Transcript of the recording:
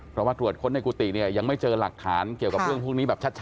เพราะว่าตรวจค้นในกุฏิเนี่ยยังไม่เจอหลักฐานเกี่ยวกับเรื่องพวกนี้แบบชัด